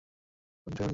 জানতেই হবে নিজেকে।